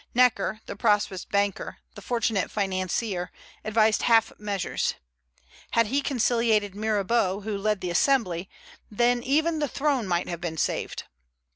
Necker, the prosperous banker, the fortunate financier, advised half measures. Had he conciliated Mirabeau, who led the Assembly, then even the throne might have been saved.